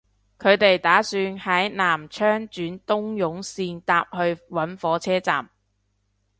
佢哋打算喺南昌轉東涌綫搭去搵火車站